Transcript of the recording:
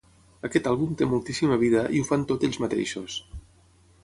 Aquest àlbum té moltíssima vida i ho fan tot ells mateixos.